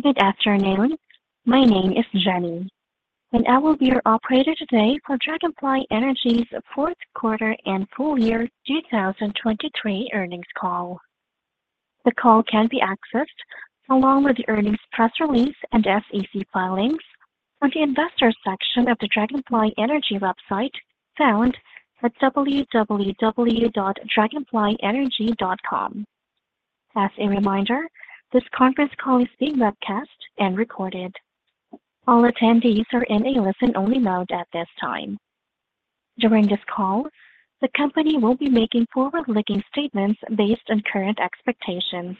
Good afternoon. My name is Jenny, and I will be your operator today for Dragonfly Energy's fourth quarter and full year 2023 earnings call. The call can be accessed, along with the earnings press release and SEC filings, on the investor section of the Dragonfly Energy website, found at www.dragonflyenergy.com. As a reminder, this conference call is being webcast and recorded. All attendees are in a listen-only mode at this time. During this call, the company will be making forward-looking statements based on current expectations.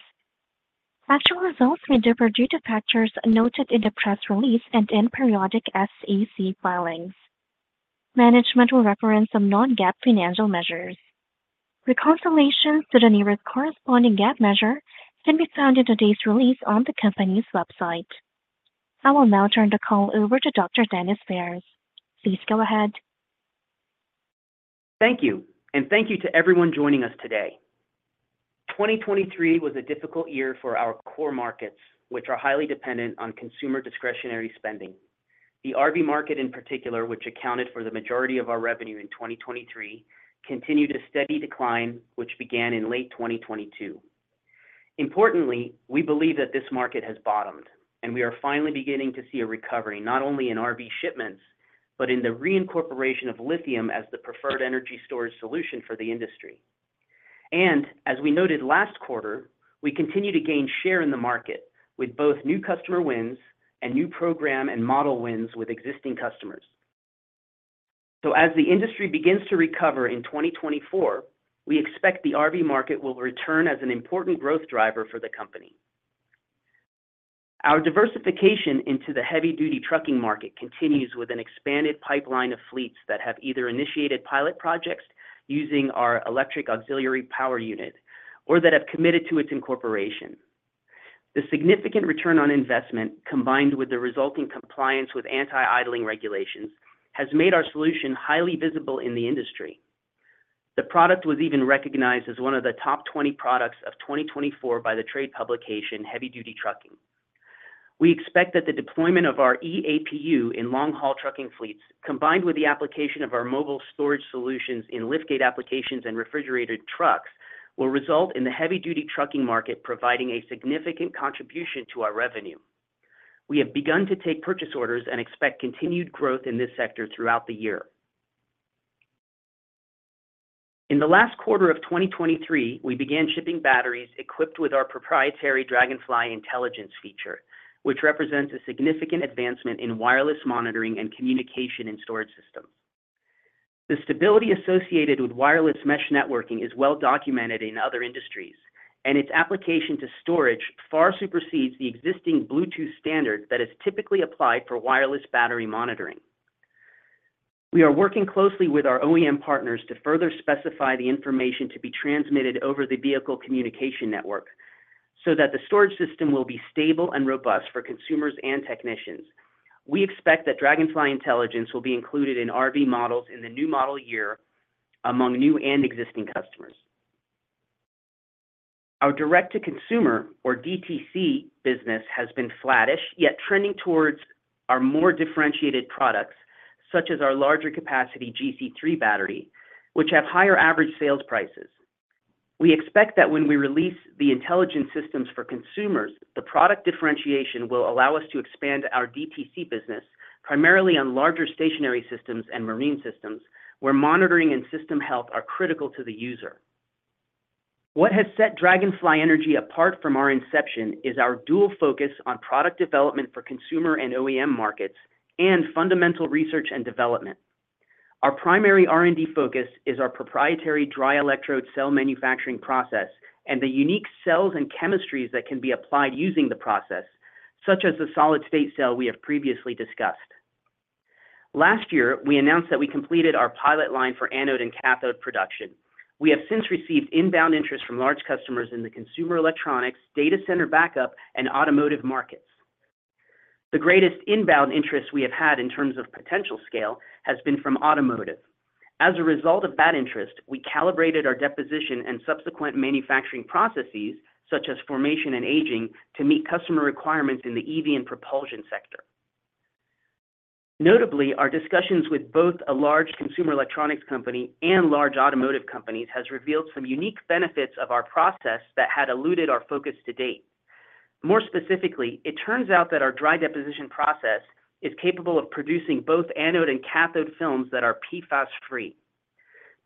Actual results may differ due to factors noted in the press release and in periodic SEC filings. Management will reference some non-GAAP financial measures. Reconciliation to the nearest corresponding GAAP measure can be found in today's release on the company's website. I will now turn the call over to Dr. Denis Phares. Please go ahead. Thank you, and thank you to everyone joining us today. 2023 was a difficult year for our core markets, which are highly dependent on consumer discretionary spending. The RV market, in particular, which accounted for the majority of our revenue in 2023, continued a steady decline, which began in late 2022. Importantly, we believe that this market has bottomed, and we are finally beginning to see a recovery, not only in RV shipments, but in the reincorporation of lithium as the preferred energy storage solution for the industry. And as we noted last quarter, we continue to gain share in the market with both new customer wins and new program and model wins with existing customers. As the industry begins to recover in 2024, we expect the RV market will return as an important growth driver for the company. Our diversification into the heavy-duty trucking market continues with an expanded pipeline of fleets that have either initiated pilot projects using our electric auxiliary power unit or that have committed to its incorporation. The significant return on investment, combined with the resulting compliance with anti-idling regulations, has made our solution highly visible in the industry. The product was even recognized as one of the top 20 products of 2024 by the trade publication, Heavy Duty Trucking. We expect that the deployment of our EAPU in long-haul trucking fleets, combined with the application of our mobile storage solutions in liftgate applications and refrigerated trucks, will result in the heavy-duty trucking market providing a significant contribution to our revenue. We have begun to take purchase orders and expect continued growth in this sector throughout the year. In the last quarter of 2023, we began shipping batteries equipped with our proprietary Dragonfly Intelligence feature, which represents a significant advancement in wireless monitoring and communication in storage systems. The stability associated with wireless mesh networking is well documented in other industries, and its application to storage far supersedes the existing Bluetooth standard that is typically applied for wireless battery monitoring. We are working closely with our OEM partners to further specify the information to be transmitted over the vehicle communication network so that the storage system will be stable and robust for consumers and technicians. We expect that Dragonfly Intelligence will be included in RV models in the new model year among new and existing customers. Our direct-to-consumer, or DTC, business has been flattish, yet trending towards our more differentiated products, such as our larger capacity GC3 battery, which have higher average sales prices. We expect that when we release the intelligence systems for consumers, the product differentiation will allow us to expand our DTC business, primarily on larger stationary systems and marine systems, where monitoring and system health are critical to the user. What has set Dragonfly Energy apart from our inception is our dual focus on product development for consumer and OEM markets and fundamental research and development. Our primary R&D focus is our proprietary dry electrode cell manufacturing process and the unique cells and chemistries that can be applied using the process, such as the solid-state cell we have previously discussed. Last year, we announced that we completed our pilot line for anode and cathode production. We have since received inbound interest from large customers in the consumer electronics, data center backup, and automotive markets. The greatest inbound interest we have had in terms of potential scale has been from automotive. As a result of that interest, we calibrated our deposition and subsequent manufacturing processes, such as formation and aging, to meet customer requirements in the EV and propulsion sector. Notably, our discussions with both a large consumer electronics company and large automotive companies has revealed some unique benefits of our process that had eluded our focus to date. More specifically, it turns out that our dry deposition process is capable of producing both anode and cathode films that are PFAS-free.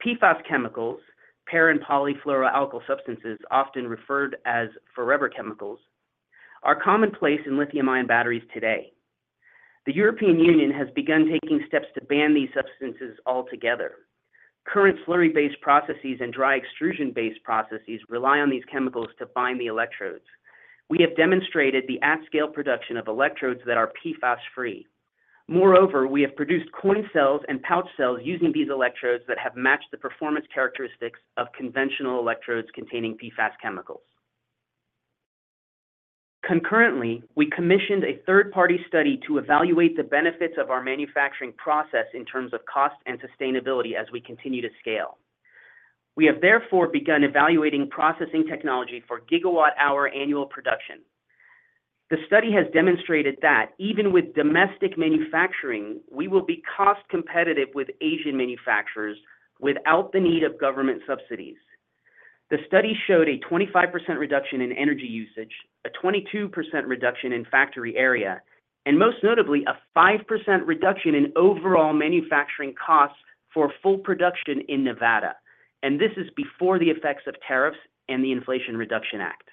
PFAS chemicals, Per- and polyfluoroalkyl substances, often referred as forever chemicals, are commonplace in lithium-ion batteries today. The European Union has begun taking steps to ban these substances altogether. Current slurry-based processes and dry extrusion-based processes rely on these chemicals to bind the electrodes. We have demonstrated the at-scale production of electrodes that are PFAS-free. Moreover, we have produced coin cells and pouch cells using these electrodes that have matched the performance characteristics of conventional electrodes containing PFAS chemicals. Concurrently, we commissioned a third-party study to evaluate the benefits of our manufacturing process in terms of cost and sustainability as we continue to scale. We have therefore begun evaluating processing technology for gigawatt hour annual production. The study has demonstrated that even with domestic manufacturing, we will be cost competitive with Asian manufacturers without the need of government subsidies. The study showed a 25% reduction in energy usage, a 22% reduction in factory area, and most notably, a 5% reduction in overall manufacturing costs for full production in Nevada, and this is before the effects of tariffs and the Inflation Reduction Act.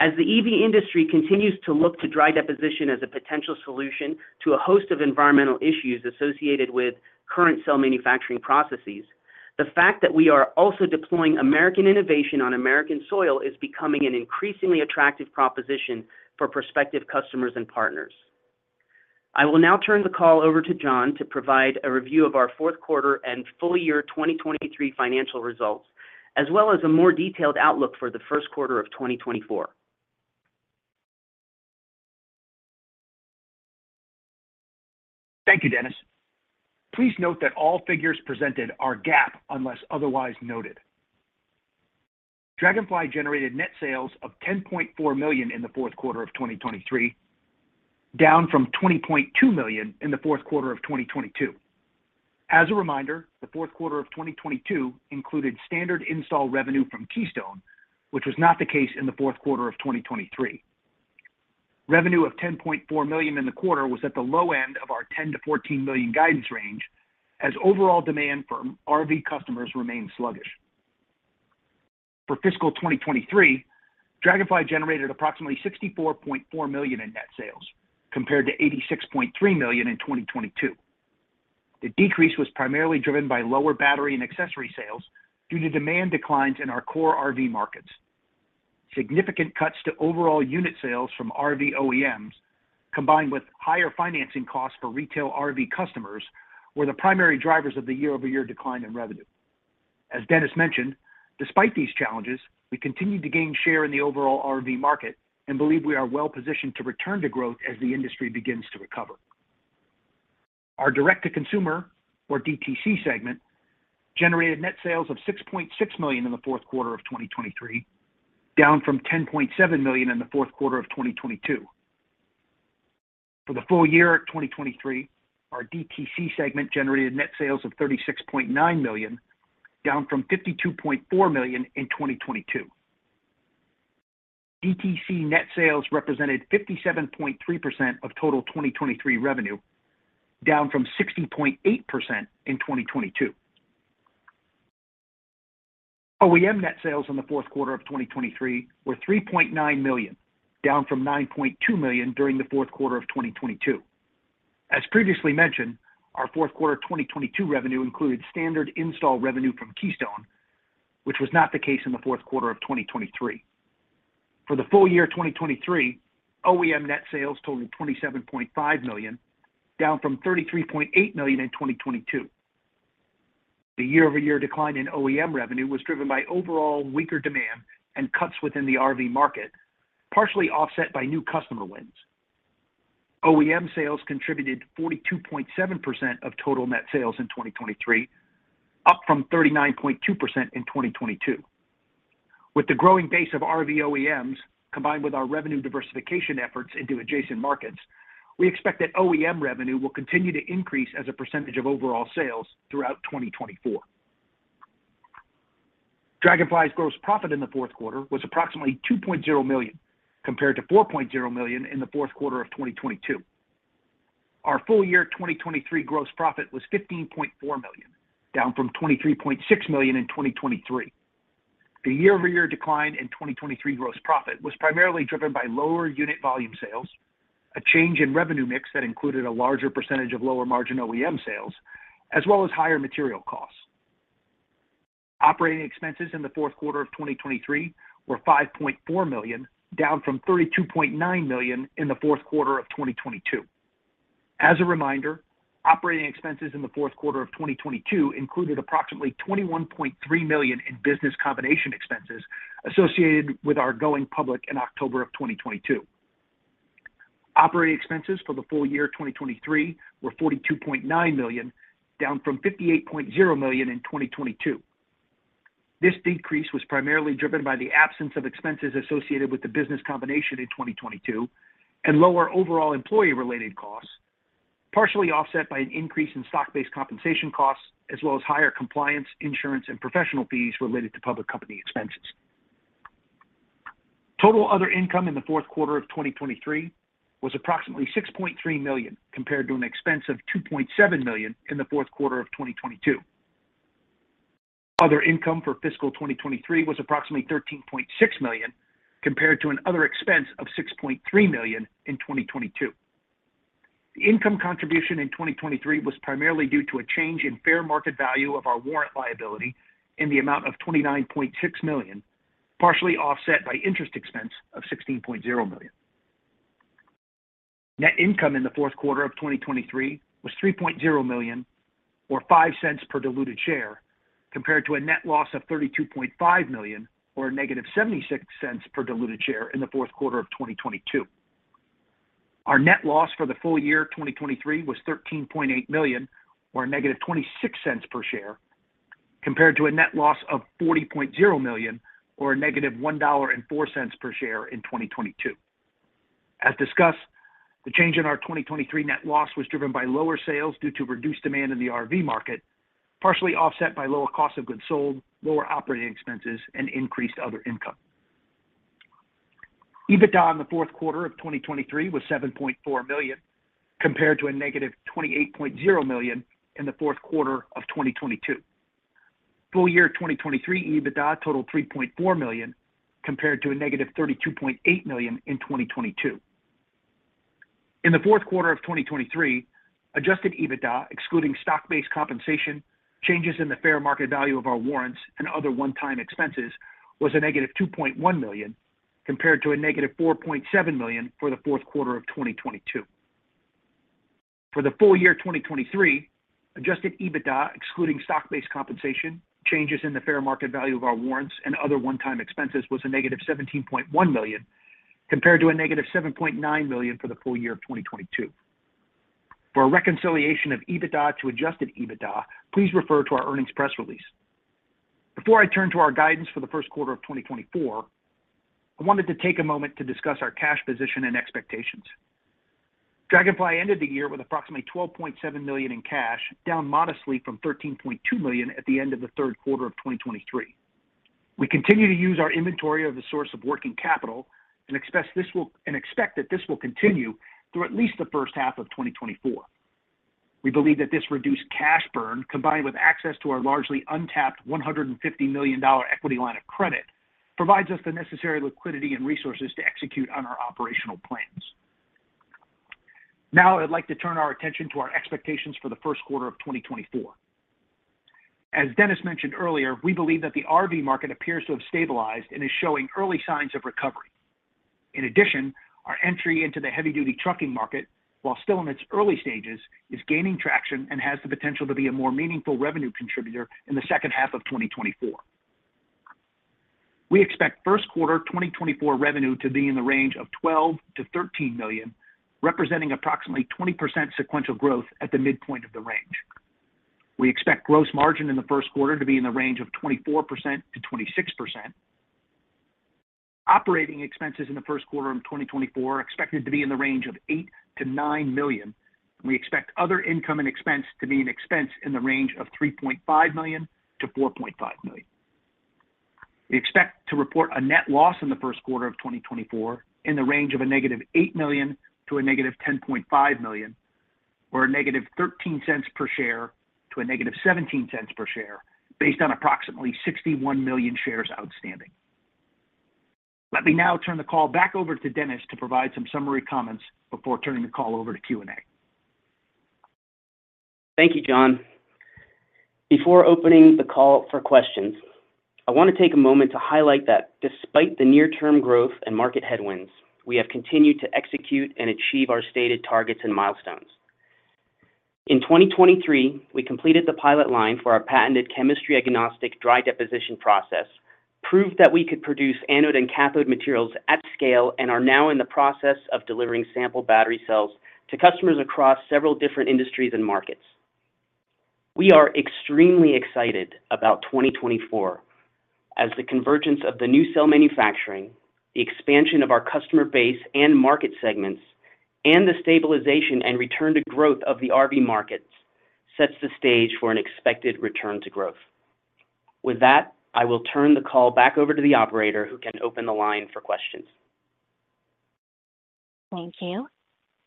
As the EV industry continues to look to dry deposition as a potential solution to a host of environmental issues associated with current cell manufacturing processes, the fact that we are also deploying American innovation on American soil is becoming an increasingly attractive proposition for prospective customers and partners. I will now turn the call over to John to provide a review of our fourth quarter and full year 2023 financial results, as well as a more detailed outlook for the first quarter of 2024. Thank you, Denis. Please note that all figures presented are GAAP, unless otherwise noted. Dragonfly generated net sales of $10.4 million in the fourth quarter of 2023, down from $20.2 million in the fourth quarter of 2022. As a reminder, the fourth quarter of 2022 included standard install revenue from Keystone, which was not the case in the fourth quarter of 2023. Revenue of $10.4 million in the quarter was at the low end of our $10-$14 million guidance range, as overall demand from RV customers remained sluggish. For fiscal 2023, Dragonfly generated approximately $64.4 million in net sales, compared to $86.3 million in 2022. The decrease was primarily driven by lower battery and accessory sales due to demand declines in our core RV markets. Significant cuts to overall unit sales from RV OEMs, combined with higher financing costs for retail RV customers, were the primary drivers of the year-over-year decline in revenue. As Denis mentioned, despite these challenges, we continued to gain share in the overall RV market and believe we are well positioned to return to growth as the industry begins to recover. Our direct-to-consumer, or DTC segment, generated net sales of $6.6 million in the fourth quarter of 2023, down from $10.7 million in the fourth quarter of 2022. For the full year of 2023, our DTC segment generated net sales of $36.9 million, down from $52.4 million in 2022. DTC net sales represented 57.3% of total 2023 revenue, down from 60.8% in 2022. OEM net sales in the fourth quarter of 2023 were $3.9 million, down from $9.2 million during the fourth quarter of 2022. As previously mentioned, our fourth quarter of 2022 revenue included standard install revenue from Keystone, which was not the case in the fourth quarter of 2023. For the full year 2023, OEM net sales totaled $27.5 million, down from $33.8 million in 2022. The year-over-year decline in OEM revenue was driven by overall weaker demand and cuts within the RV market, partially offset by new customer wins. OEM sales contributed 42.7% of total net sales in 2023, up from 39.2% in 2022. With the growing base of RV OEMs, combined with our revenue diversification efforts into adjacent markets, we expect that OEM revenue will continue to increase as a percentage of overall sales throughout 2024. Dragonfly's gross profit in the fourth quarter was approximately $2.0 million, compared to $4.0 million in the fourth quarter of 2022. Our full year 2023 gross profit was $15.4 million, down from $23.6 million in 2023. The year-over-year decline in 2023 gross profit was primarily driven by lower unit volume sales, a change in revenue mix that included a larger percentage of lower margin OEM sales, as well as higher material costs. Operating expenses in the fourth quarter of 2023 were $5.4 million, down from $32.9 million in the fourth quarter of 2022. As a reminder, operating expenses in the fourth quarter of 2022 included approximately $21.3 million in business combination expenses associated with our going public in October of 2022. Operating expenses for the full year of 2023 were $42.9 million, down from $58.0 million in 2022. This decrease was primarily driven by the absence of expenses associated with the business combination in 2022 and lower overall employee-related costs, partially offset by an increase in stock-based compensation costs, as well as higher compliance, insurance, and professional fees related to public company expenses. Total other income in the fourth quarter of 2023 was approximately $6.3 million, compared to an expense of $2.7 million in the fourth quarter of 2022. Other income for fiscal 2023 was approximately $13.6 million, compared to an other expense of $6.3 million in 2022. The income contribution in 2023 was primarily due to a change in fair market value of our warrant liability in the amount of $29.6 million, partially offset by interest expense of $16.0 million. Net income in the fourth quarter of 2023 was $3.0 million, or $0.05 per diluted share, compared to a net loss of $32.5 million, or -$0.76 per diluted share in the fourth quarter of 2022. Our net loss for the full year 2023 was $13.8 million, or -$0.26 per share, compared to a net loss of $40.0 million, or -$1.04 per share in 2022. As discussed, the change in our 2023 net loss was driven by lower sales due to reduced demand in the RV market, partially offset by lower cost of goods sold, lower operating expenses and increased other income. EBITDA in the fourth quarter of 2023 was $7.4 million, compared to -$28.0 million in the fourth quarter of 2022. Full year 2023 EBITDA totaled $3.4 million, compared to -$32.8 million in 2022. In the fourth quarter of 2023, adjusted EBITDA, excluding stock-based compensation, changes in the fair market value of our warrants and other one-time expenses, was -$2.1 million, compared to -$4.7 million for the fourth quarter of 2022. For the full year 2023, adjusted EBITDA, excluding stock-based compensation, changes in the fair market value of our warrants and other one-time expenses, was -$17.1 million, compared to -$7.9 million for the full year of 2022. For a reconciliation of EBITDA to adjusted EBITDA, please refer to our earnings press release. Before I turn to our guidance for the first quarter of 2024, I wanted to take a moment to discuss our cash position and expectations. Dragonfly ended the year with approximately $12.7 million in cash, down modestly from $13.2 million at the end of the third quarter of 2023. We continue to use our inventory as a source of working capital and expect that this will continue through at least the first half of 2024. We believe that this reduced cash burn, combined with access to our largely untapped $150 million equity line of credit, provides us the necessary liquidity and resources to execute on our operational plans. Now, I'd like to turn our attention to our expectations for the first quarter of 2024. As Denis mentioned earlier, we believe that the RV market appears to have stabilized and is showing early signs of recovery. In addition, our entry into the heavy-duty trucking market, while still in its early stages, is gaining traction and has the potential to be a more meaningful revenue contributor in the second half of 2024. We expect first quarter 2024 revenue to be in the range of $12 million-$13 million, representing approximately 20% sequential growth at the midpoint of the range. We expect gross margin in the first quarter to be in the range of 24%-26%. Operating expenses in the first quarter of 2024 are expected to be in the range of $8 million-$9 million. We expect other income and expense to be an expense in the range of $3.5 million-$4.5 million. We expect to report a net loss in the first quarter of 2024 in the range of -$8 million-$10.5 million, or -$0.13-$0.17 per share, based on approximately 61 million shares outstanding. Let me now turn the call back over to Denis to provide some summary comments before turning the call over to Q&A. Thank you, John. Before opening the call for questions, I want to take a moment to highlight that despite the near-term growth and market headwinds, we have continued to execute and achieve our stated targets and milestones. In 2023, we completed the pilot line for our patented chemistry agnostic dry deposition process, proved that we could produce anode and cathode materials at scale, and are now in the process of delivering sample battery cells to customers across several different industries and markets. We are extremely excited about 2024 as the convergence of the new cell manufacturing, the expansion of our customer base and market segments, and the stabilization and return to growth of the RV markets sets the stage for an expected return to growth. With that, I will turn the call back over to the operator, who can open the line for questions. Thank you.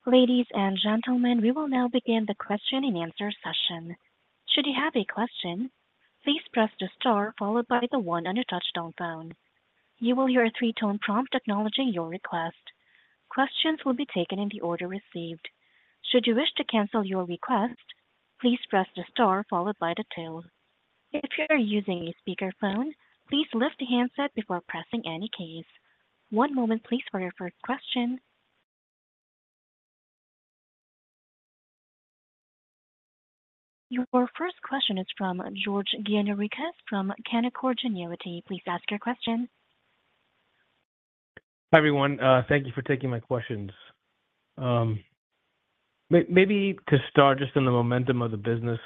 Ladies and gentlemen, we will now begin the question and answer session. Should you have a question, please press the star followed by the one on your touchtone phone. You will hear a three-tone prompt acknowledging your request. Questions will be taken in the order received. Should you wish to cancel your request, please press the star followed by the two. If you are using a speakerphone, please lift the handset before pressing any keys. One moment please for your first question. Your first question is from George Gianarikas from Canaccord Genuity. Please ask your question. Hi, everyone. Thank you for taking my questions. Maybe to start just on the momentum of the business.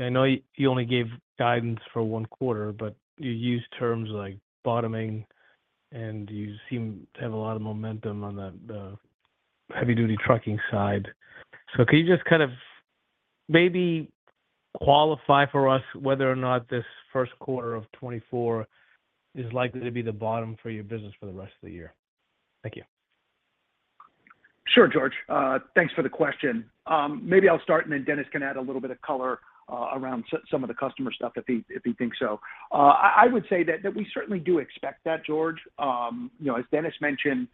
I know you only gave guidance for one quarter, but you used terms like bottoming, and you seem to have a lot of momentum on the heavy-duty trucking side. So can you just kind of maybe qualify for us whether or not this first quarter of 2024 is likely to be the bottom for your business for the rest of the year? Thank you. Sure, George. Thanks for the question. Maybe I'll start, and then Denis can add a little bit of color around some of the customer stuff if he thinks so. I would say that we certainly do expect that, George. You know, as Denis mentioned,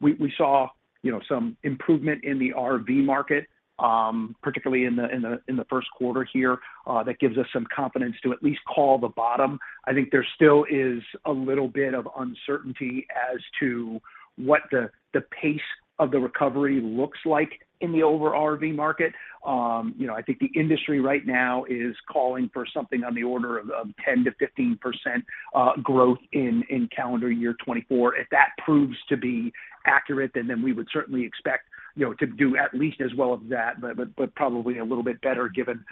we saw, you know, some improvement in the RV market, particularly in the first quarter here. That gives us some confidence to at least call the bottom. I think there still is a little bit of uncertainty as to what the pace of the recovery looks like in the overall RV market. You know, I think the industry right now is calling for something on the order of 10%-15% growth in calendar year 2024. If that proves to be accurate, then we would certainly expect, you know, to do at least as well as that, but probably a little bit better given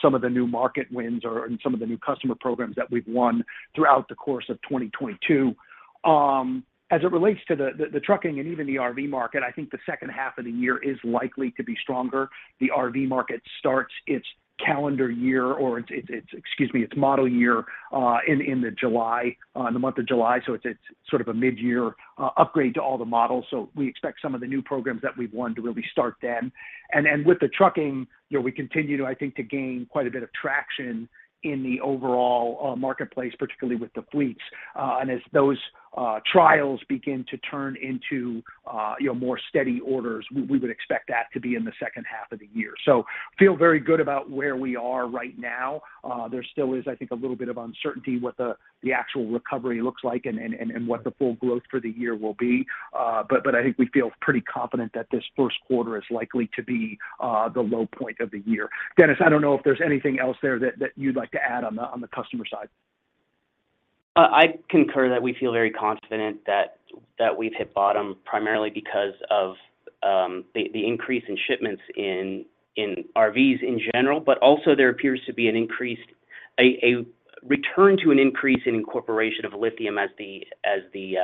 some of the new market wins or and some of the new customer programs that we've won throughout the course of 2022. As it relates to the trucking and even the RV market, I think the second half of the year is likely to be stronger. The RV market starts its calendar year, or its... Excuse me, its model year, in the month of July, so it's a sort of a midyear upgrade to all the models. So we expect some of the new programs that we've won to really start then. With the trucking, you know, we continue to, I think, to gain quite a bit of traction in the overall marketplace, particularly with the fleets. And as those trials begin to turn into, you know, more steady orders, we would expect that to be in the second half of the year. So feel very good about where we are right now. There still is, I think, a little bit of uncertainty what the actual recovery looks like and what the full growth for the year will be. But I think we feel pretty confident that this first quarter is likely to be the low point of the year. Denis, I don't know if there's anything else there that you'd like to add on the customer side. I concur that we feel very confident that we've hit bottom primarily because of the increase in shipments in RVs in general, but also there appears to be an increased return to an increase in incorporation of lithium as the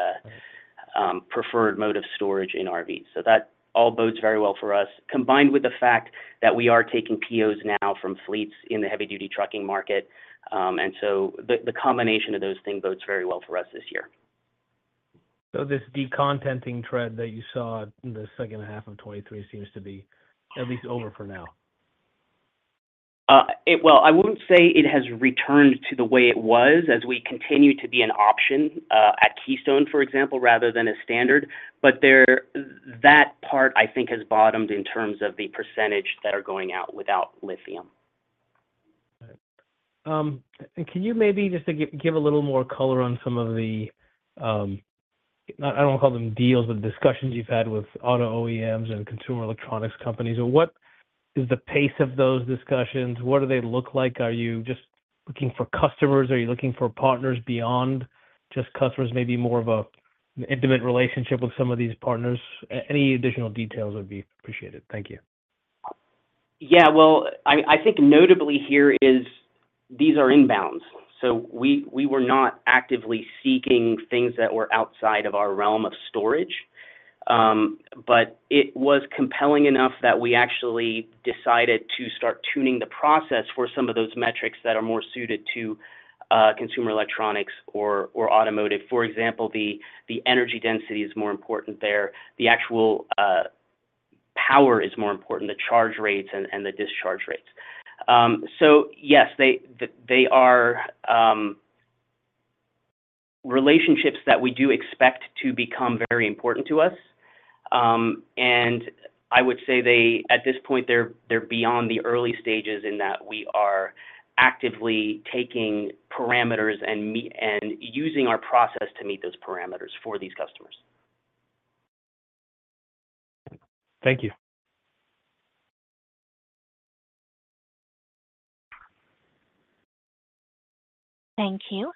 preferred mode of storage in RVs. So that all bodes very well for us, combined with the fact that we are taking POs now from fleets in the heavy-duty trucking market. And so the combination of those things bodes very well for us this year. This decontenting trend that you saw in the second half of 2023 seems to be at least over for now? Well, I wouldn't say it has returned to the way it was as we continue to be an option at Keystone, for example, rather than a standard. But there, that part, I think, has bottomed in terms of the percentage that are going out without lithium. Can you maybe just give a little more color on some of the, I don't want to call them deals, but discussions you've had with auto OEMs and consumer electronics companies, or what is the pace of those discussions? What do they look like? Are you just looking for customers? Are you looking for partners beyond just customers, maybe more of a, an intimate relationship with some of these partners? Any additional details would be appreciated. Thank you. Yeah, well, I think notably here is these are inbounds, so we were not actively seeking things that were outside of our realm of storage. But it was compelling enough that we actually decided to start tuning the process for some of those metrics that are more suited to consumer electronics or automotive. For example, the energy density is more important there. The actual power is more important, the charge rates and the discharge rates. So yes, they are relationships that we do expect to become very important to us. And I would say they, at this point, they're beyond the early stages in that we are actively taking parameters and meeting and using our process to meet those parameters for these customers. Thank you. Thank you.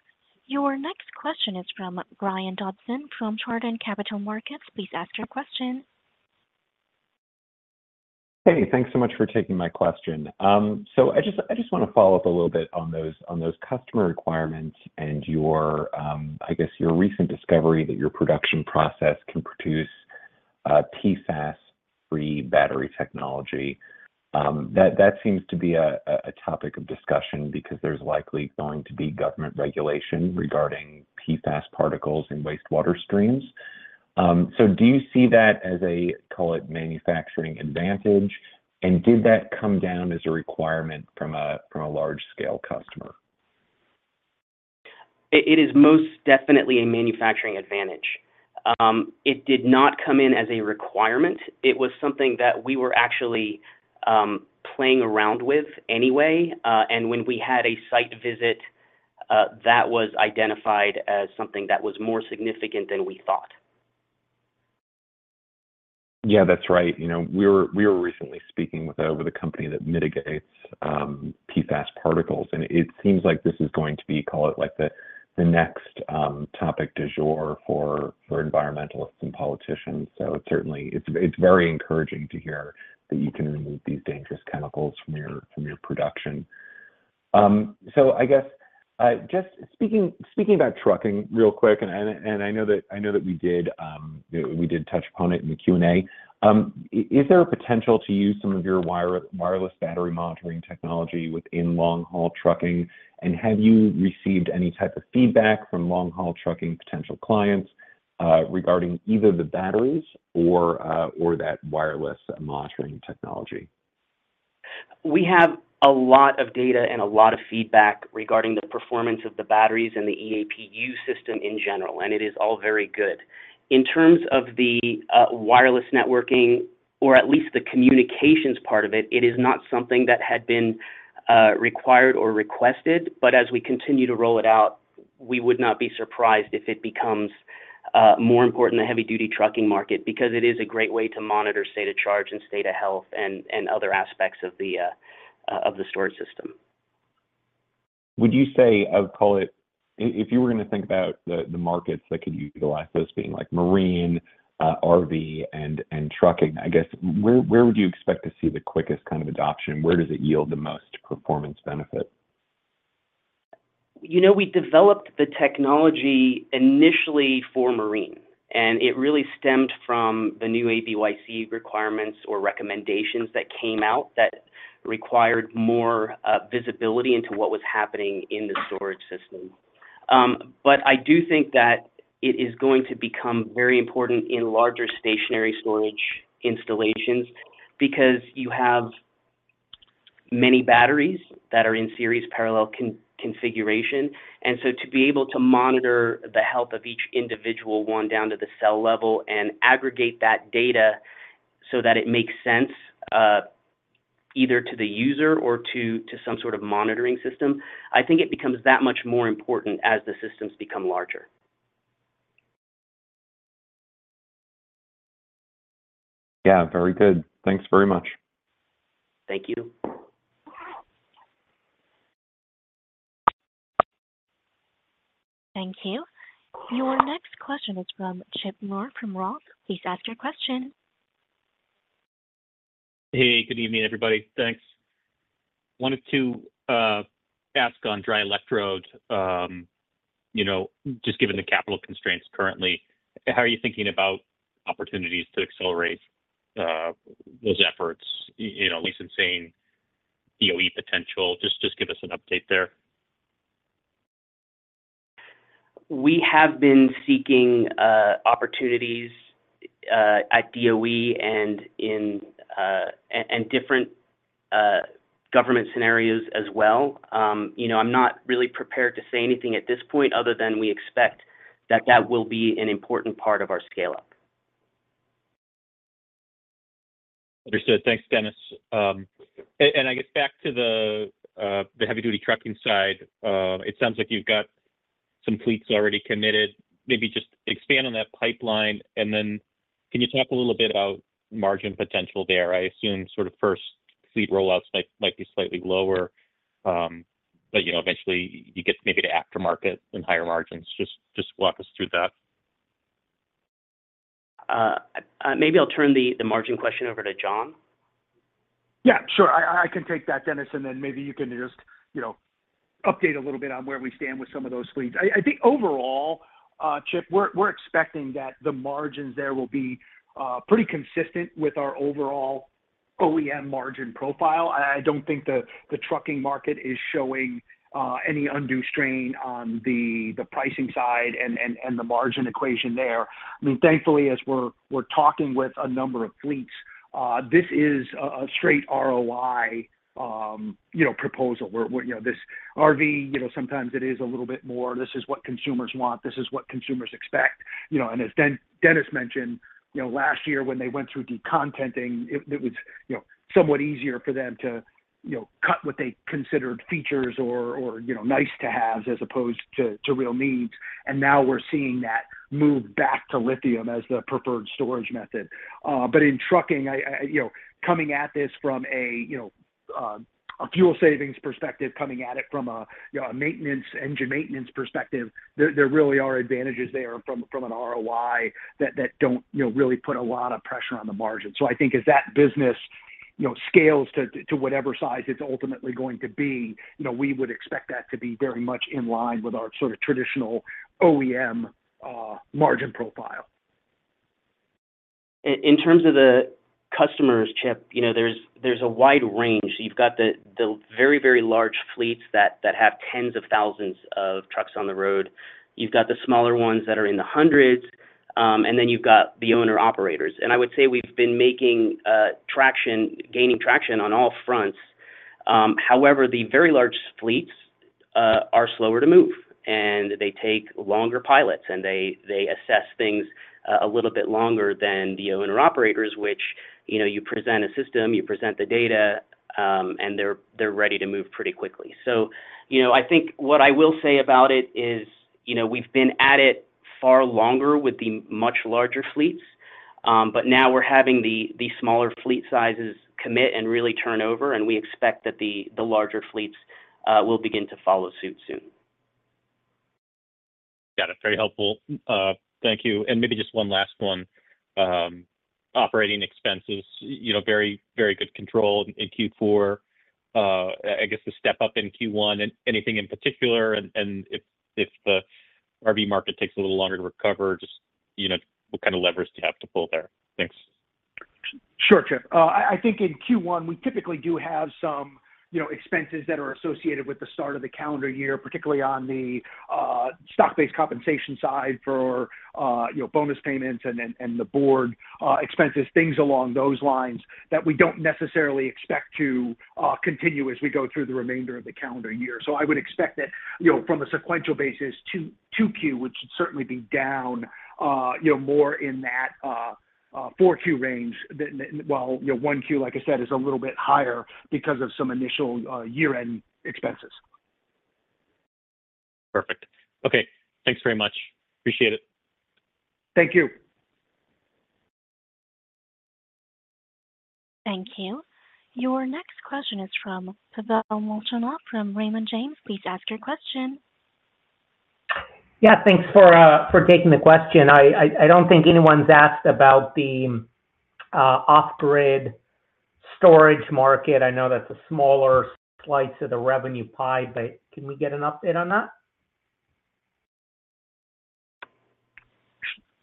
Your next question is from Brian Dobson, from Chardan Capital Markets. Please ask your question. Hey, thanks so much for taking my question. So I just, I just want to follow up a little bit on those, on those customer requirements and your, I guess, your recent discovery that your production process can produce a PFAS-free battery technology. That seems to be a topic of discussion because there's likely going to be government regulation regarding PFAS particles in wastewater streams. So do you see that as a call it, manufacturing advantage? And did that come down as a requirement from a large-scale customer? It is most definitely a manufacturing advantage. It did not come in as a requirement. It was something that we were actually playing around with anyway, and when we had a site visit, that was identified as something that was more significant than we thought. Yeah, that's right. You know, we were recently speaking with a company that mitigates PFAS particles, and it seems like this is going to be, call it, like, the next topic du jour for environmentalists and politicians. So certainly, it's very encouraging to hear that you can remove these dangerous chemicals from your production. So I guess, just speaking about trucking real quick, and I know that we did touch upon it in the Q&A. Is there a potential to use some of your wireless battery monitoring technology within long-haul trucking? And have you received any type of feedback from long-haul trucking potential clients regarding either the batteries or that wireless monitoring technology?... We have a lot of data and a lot of feedback regarding the performance of the batteries and the EAPU system in general, and it is all very good. In terms of the wireless networking, or at least the communications part of it, it is not something that had been required or requested, but as we continue to roll it out, we would not be surprised if it becomes more important in the heavy-duty trucking market, because it is a great way to monitor state of charge and state of health, and other aspects of the storage system. Would you say, I would call it, if you were gonna think about the markets that could utilize those, being like marine, RV, and trucking, I guess, where would you expect to see the quickest kind of adoption? Where does it yield the most performance benefit? You know, we developed the technology initially for marine, and it really stemmed from the new ABYC requirements or recommendations that came out that required more visibility into what was happening in the storage system. But I do think that it is going to become very important in larger stationary storage installations, because you have many batteries that are in series parallel configuration. And so to be able to monitor the health of each individual one, down to the cell level, and aggregate that data so that it makes sense, either to the user or to some sort of monitoring system, I think it becomes that much more important as the systems become larger. Yeah, very good. Thanks very much. Thank you. Thank you. Your next question is from Chip Moore from Roth. Please ask your question. Hey, good evening, everybody. Thanks. Wanted to ask on dry electrode, you know, just given the capital constraints currently, how are you thinking about opportunities to accelerate those efforts? You know, recent seeing DOE potential. Just give us an update there. We have been seeking opportunities at DOE and in different government scenarios as well. You know, I'm not really prepared to say anything at this point, other than we expect that that will be an important part of our scale-up. Understood. Thanks, Dennis. And I guess back to the heavy-duty trucking side, it sounds like you've got some fleets already committed. Maybe just expand on that pipeline, and then can you talk a little bit about margin potential there? I assume sort of first fleet rollouts might be slightly lower, but you know, eventually you get maybe to aftermarket and higher margins. Just walk us through that. Maybe I'll turn the margin question over to John. Yeah, sure. I can take that, Dennis, and then maybe you can just, you know, update a little bit on where we stand with some of those fleets. I think overall, Chip, we're expecting that the margins there will be pretty consistent with our overall OEM margin profile. I don't think the trucking market is showing any undue strain on the pricing side and the margin equation there. I mean, thankfully, as we're talking with a number of fleets, this is a straight ROI proposal, you know, where this RV, you know, sometimes it is a little bit more, "This is what consumers want, this is what consumers expect," you know? As Denis mentioned, you know, last year when they went through decontenting, it was, you know, somewhat easier for them to, you know, cut what they considered features or, you know, nice to haves, as opposed to real needs. Now we're seeing that move back to lithium as the preferred storage method. But in trucking, I you know, coming at this from a, you know, a fuel savings perspective, coming at it from a, you know, a maintenance, engine maintenance perspective, there really are advantages there from an ROI that don't, you know, really put a lot of pressure on the margin. So I think as that business, you know, scales to whatever size it's ultimately going to be, you know, we would expect that to be very much in line with our sort of traditional OEM margin profile. In terms of the customers, Chip, you know, there's a wide range. You've got the very, very large fleets that have tens of thousands of trucks on the road. You've got the smaller ones that are in the hundreds, and then you've got the owner-operators. And I would say we've been making traction, gaining traction on all fronts. However, the very large fleets are slower to move, and they take longer pilots, and they assess things a little bit longer than the owner-operators, which, you know, you present a system, you present the data, and they're ready to move pretty quickly. So, you know, I think what I will say about it is, you know, we've been at it far longer with the much larger fleets, but now we're having the, the smaller fleet sizes commit and really turn over, and we expect that the, the larger fleets will begin to follow suit soon. Got it. Very helpful. Thank you. And maybe just one last one. Operating expenses, you know, very good control in Q4. I guess the step up in Q1, anything in particular, and if the RV market takes a little longer to recover, just, you know, what kind of levers do you have to pull there? Thanks.... Sure, Chip. I think in Q1, we typically do have some, you know, expenses that are associated with the start of the calendar year, particularly on the stock-based compensation side for, you know, bonus payments and then, and the board expenses, things along those lines, that we don't necessarily expect to continue as we go through the remainder of the calendar year. So I would expect that, you know, from a sequential basis, 2Q would certainly be down, you know, more in that 4Q range. While, you know, Q1, like I said, is a little bit higher because of some initial year-end expenses. Perfect. Okay, thanks very much. Appreciate it. Thank you. Thank you. Your next question is from Pavel Molchanov, from Raymond James. Please ask your question. Yeah, thanks for taking the question. I don't think anyone's asked about the off-grid storage market. I know that's a smaller slice of the revenue pie, but can we get an update on that?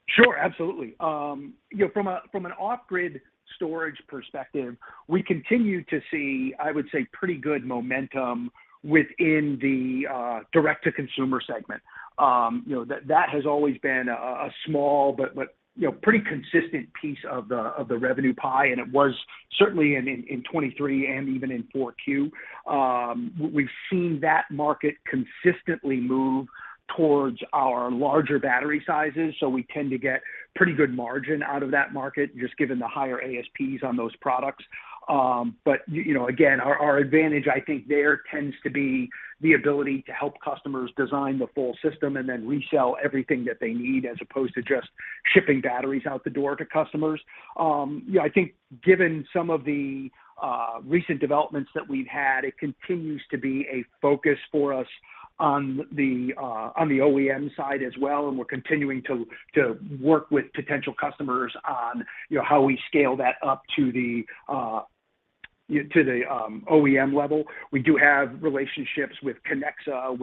Sure, absolutely. You know, from an off-grid storage perspective, we continue to see, I would say, pretty good momentum within the direct-to-consumer segment. You know, that has always been a small but you know, pretty consistent piece of the revenue pie, and it was certainly in 2023 and even in Q4. We've seen that market consistently move towards our larger battery sizes, so we tend to get pretty good margin out of that market, just given the higher ASPs on those products. But you know, again, our advantage, I think there tends to be the ability to help customers design the full system and then resell everything that they need, as opposed to just shipping batteries out the door to customers. Yeah, I think given some of the recent developments that we've had, it continues to be a focus for us on the OEM side as well, and we're continuing to work with potential customers on, you know, how we scale that up to the OEM level. We do have relationships with Connexa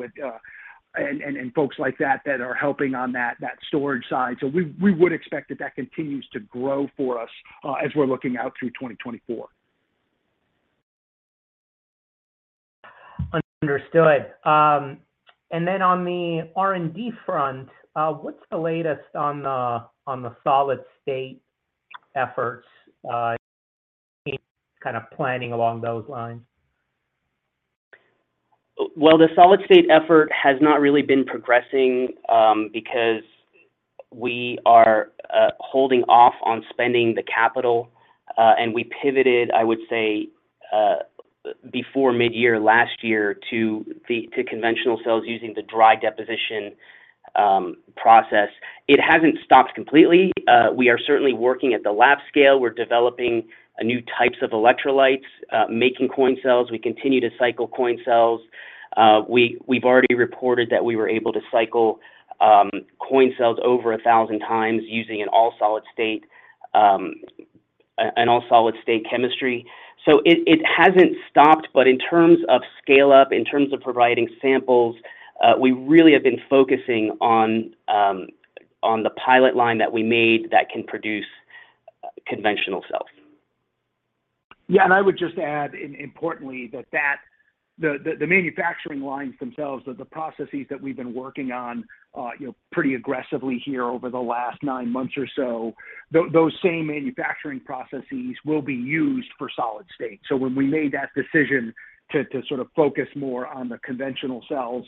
and folks like that, that are helping on that storage side. So we would expect that that continues to grow for us, as we're looking out through 2024. Understood. And then on the R&D front, what's the latest on the solid-state efforts? Any kind of planning along those lines? Well, the solid-state effort has not really been progressing, because we are holding off on spending the capital, and we pivoted, I would say, before midyear last year to the, to conventional cells using the dry deposition process. It hasn't stopped completely. We are certainly working at the lab scale. We're developing a new types of electrolytes, making coin cells. We continue to cycle coin cells. We, we've already reported that we were able to cycle coin cells over 1,000 times using an all solid state, an all solid-state chemistry. So it, it hasn't stopped, but in terms of scale up, in terms of providing samples, we really have been focusing on, on the pilot line that we made that can produce conventional cells. Yeah, and I would just add importantly, that the manufacturing lines themselves, or the processes that we've been working on, you know, pretty aggressively here over the last nine months or so, those same manufacturing processes will be used for solid state. So when we made that decision to sort of focus more on the conventional cells,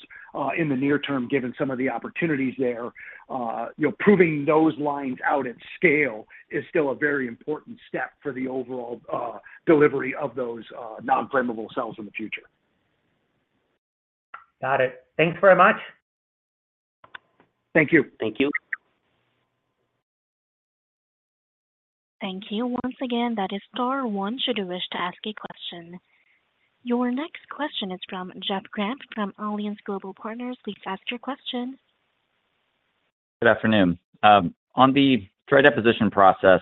you know, proving those lines out at scale is still a very important step for the overall delivery of those non-flammable cells in the future. Got it. Thanks very much. Thank you. Thank you. Thank you. Once again, that is star one, should you wish to ask a question. Your next question is from Jeff Grant, from Alliance Global Partners. Please ask your question. Good afternoon. On the dry deposition process,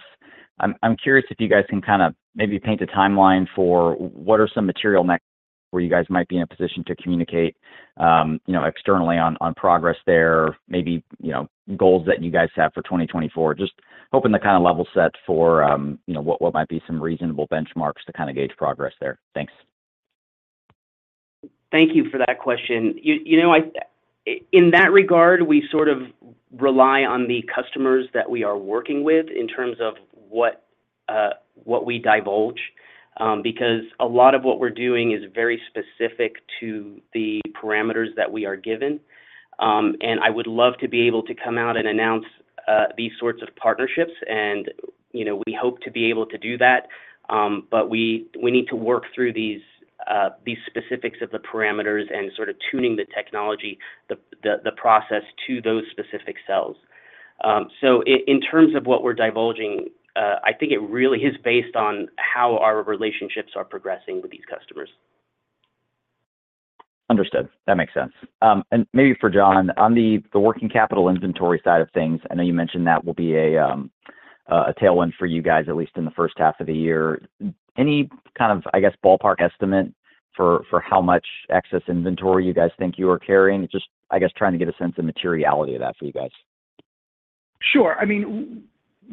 I'm curious if you guys can kind of maybe paint a timeline for what are some material next, where you guys might be in a position to communicate, you know, externally on progress there, maybe, you know, goals that you guys have for 2024. Just hoping to kind of level set for, you know, what might be some reasonable benchmarks to kind of gauge progress there. Thanks. Thank you for that question. You know, in that regard, we sort of rely on the customers that we are working with in terms of what, what we divulge, because a lot of what we're doing is very specific to the parameters that we are given. And I would love to be able to come out and announce, these sorts of partnerships and, you know, we hope to be able to do that, but we, we need to work through these, these specifics of the parameters and sort of tuning the technology, the process to those specific cells. So in terms of what we're divulging, I think it really is based on how our relationships are progressing with these customers. Understood. That makes sense. And maybe for John, on the working capital inventory side of things, I know you mentioned that will be a tailwind for you guys, at least in the first half of the year. Any kind of, I guess, ballpark estimate for how much excess inventory you guys think you are carrying? Just, I guess, trying to get a sense of materiality of that for you guys.... Sure. I mean,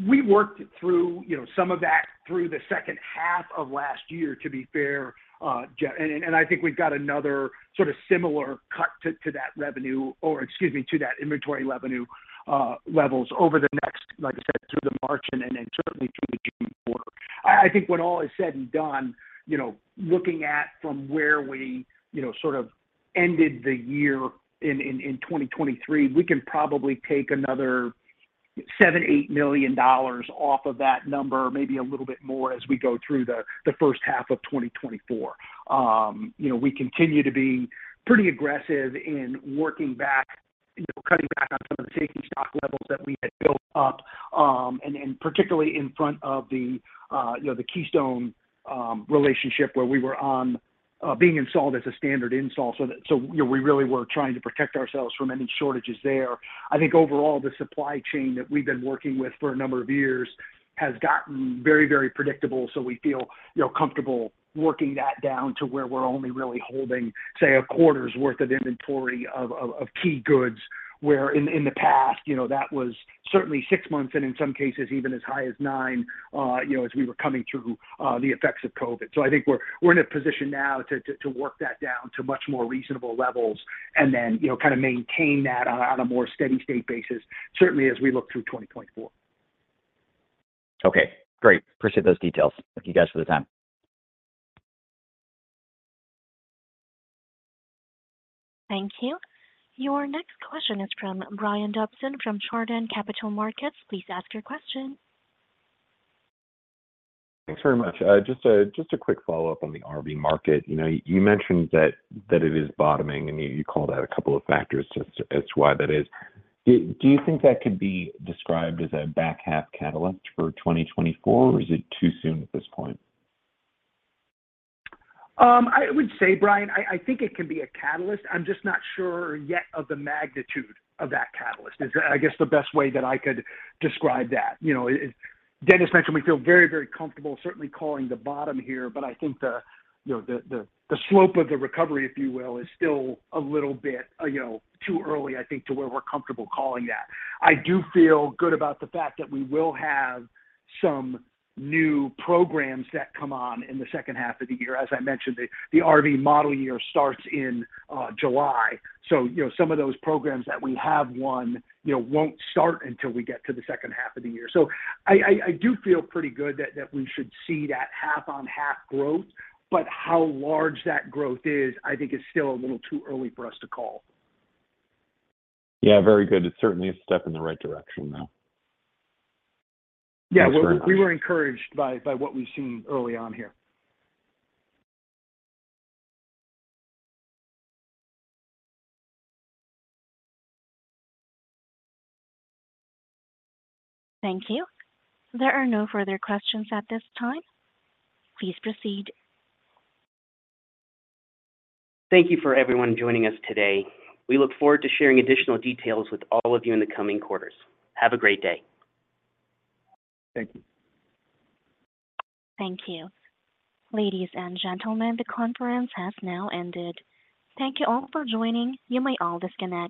we worked through, you know, some of that through the second half of last year, to be fair, Jeff. And I think we've got another sort of similar cut to that revenue or, excuse me, to that inventory revenue levels over the next, like I said, through the March and then, and certainly through the June quarter. I think when all is said and done, you know, looking at from where we, you know, sort of ended the year in 2023, we can probably take another $7-$8 million off of that number, maybe a little bit more as we go through the first half of 2024. You know, we continue to be pretty aggressive in working back, you know, cutting back on some of the safety stock levels that we had built up, and particularly in front of the, you know, the Keystone relationship where we were on being installed as a standard install, so that- so, you know, we really were trying to protect ourselves from any shortages there. I think overall, the supply chain that we've been working with for a number of years has gotten very, very predictable, so we feel, you know, comfortable working that down to where we're only really holding, say, a quarter's worth of inventory of key goods. Where in the past, you know, that was certainly 6 months, and in some cases, even as high as 9, you know, as we were coming through the effects of COVID. So I think we're in a position now to work that down to much more reasonable levels and then, you know, kind of maintain that on a more steady state basis, certainly as we look through 2024. Okay, great. Appreciate those details. Thank you, guys, for the time. Thank you. Your next question is from Brian Dobson from Chardan Capital Markets. Please ask your question. Thanks very much. Just a quick follow-up on the RV market. You know, you mentioned that it is bottoming, and you called out a couple of factors as to why that is. Do you think that could be described as a back half catalyst for 2024, or is it too soon at this point? I would say, Brian, I think it can be a catalyst. I'm just not sure yet of the magnitude of that catalyst, is, I guess, the best way that I could describe that. You know, it. Denis mentioned we feel very, very comfortable, certainly calling the bottom here, but I think you know, the slope of the recovery, if you will, is still a little bit, you know, too early, I think, to where we're comfortable calling that. I do feel good about the fact that we will have some new programs that come on in the second half of the year. As I mentioned, the RV model year starts in July. So, you know, some of those programs that we have won, you know, won't start until we get to the second half of the year. So I do feel pretty good that we should see that half-on-half growth, but how large that growth is, I think it's still a little too early for us to call. Yeah, very good. It's certainly a step in the right direction, though. Yeah. Thanks very much. We were encouraged by what we've seen early on here. Thank you. There are no further questions at this time. Please proceed. Thank you for everyone joining us today. We look forward to sharing additional details with all of you in the coming quarters. Have a great day. Thank you. Thank you. Ladies and gentlemen, the conference has now ended. Thank you all for joining. You may all disconnect.